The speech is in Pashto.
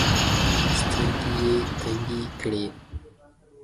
سترګي یې تنګي کړې .